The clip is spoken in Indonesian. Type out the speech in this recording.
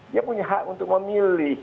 dia punya hak untuk memilih